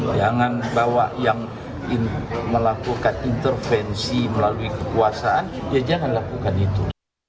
jangan bawa yang melakukan intervensi melalui kekuasaan ya jangan lakukan itu